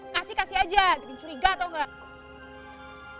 kasih kasih aja bikin curiga tau gak